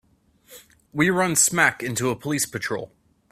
We run smack into a police patrol.